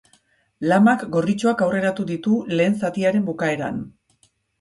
Lamak gorritxoak aurreratu ditu lehen zatiaren bukaeran.